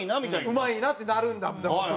うまいなってなるんだそこでは。